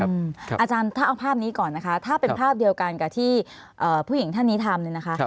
อาจารย์ถ้าเอาภาพนี้ก่อนนะคะถ้าเป็นภาพเดียวกันกับที่ผู้หญิงท่านนี้ทำเนี่ยนะคะ